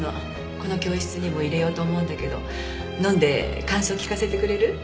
この教室にも入れようと思うんだけど飲んで感想聞かせてくれる？